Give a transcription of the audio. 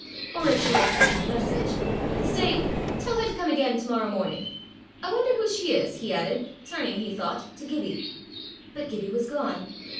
Or if she likes to leave a message Stay: tell her to come again to morrow morning. I wonder who she is," he added, turning, he thought, to Gibbie. But Gibbie was gone.